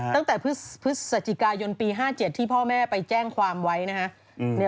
ตั้งแต่พฤศจิกายนปี๕๗ที่พ่อแม่ไปแจ้งความไว้นะฮะ